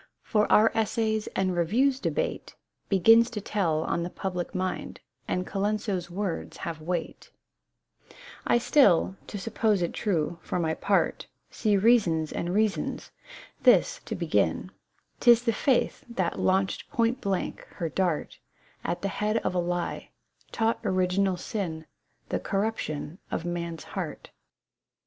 81 For our Bssays and RevieW debate Begins to tell on the public mind, And Colenso'a words have weight: I still, to suppose it true, for my part, Sec reasons and reasons; this, to begin : Tis the faith that launched point blank her dart At the head of a lie — taught Original Sin, The Corruption of Man's Heart.